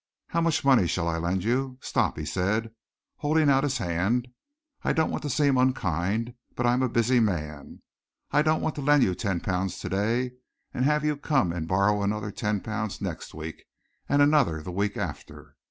How much money shall I lend you? Stop!" he said, holding out his hand. "I don't want to seem unkind, but I am a busy man. I don't want to lend you ten pounds to day, and have you come and borrow another ten pounds next week, and another the week after.